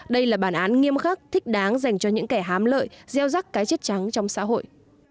đây là bản án nghiêm khắc thích đáng dành cho những kẻ hám lợi gieo rắc cái chết trắng trong xã hội